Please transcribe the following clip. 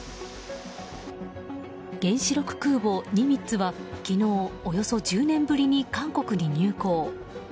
原子力空母「ニミッツ」は昨日およそ１０年ぶりに韓国に入港。